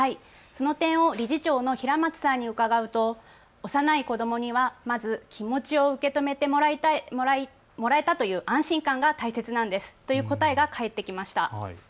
その点を理事長の平松さんに伺うと幼い子どもにはまず気持ちを受け止めてもらいたい、もらえたという安心感が大切なんですという答えが返ってきました。